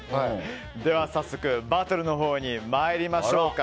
早速、バトルのほうに参りましょうか。